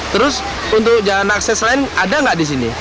terus untuk jalan akses lain ada nggak di sini